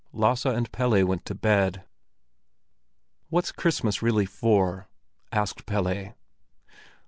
Lasse and Pelle went to bed. "What's Christmas really for?" asked Pelle.